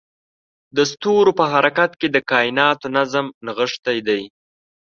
د ستورو په حرکت کې د کایناتو نظم نغښتی دی.